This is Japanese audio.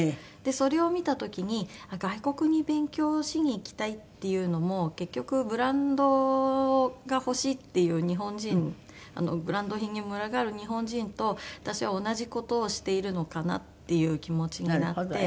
それを見た時に外国に勉強をしに行きたいっていうのも結局ブランドが欲しいっていう日本人ブランド品に群がる日本人と私は同じ事をしているのかなっていう気持ちになって。